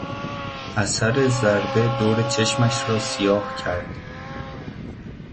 اثر ضربه دور چشمش را سیاه کرد.